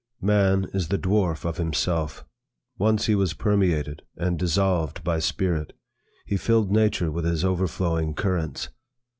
'Man is the dwarf of himself. Once he was permeated and dissolved by spirit. He filled nature with his overflowing currents.